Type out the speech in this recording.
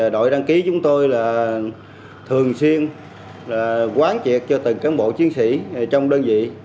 đội đăng ký chúng tôi là thường xuyên quán triệt cho từng cán bộ chiến sĩ trong đơn vị